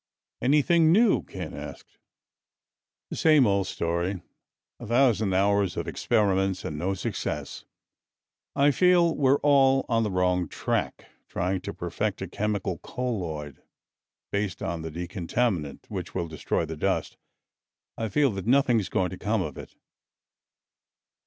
"Anything new?" Ken asked. "The same old story. A thousand hours of experiments, and no success. I feel we're all on the wrong track, trying to perfect a chemical colloid, based on the decontaminant, which will destroy the dust. I feel that nothing's going to come of it."